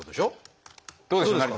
どうですか？